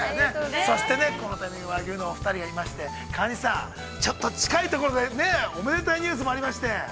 そして和牛のお二人がいまして、川西さん、ちょっと近いところでね、おめでたいニュースもありまして。